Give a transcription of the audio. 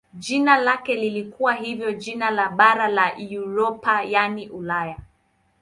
Jina lake lilikuwa hivyo jina la bara la Europa yaani Ulaya.